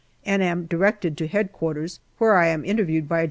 and am directed to H.Q., where I am interviewed by a G.